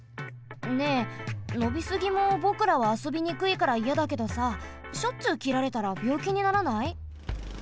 ねえのびすぎもぼくらはあそびにくいからいやだけどさしょっちゅうきられたらびょうきにならない？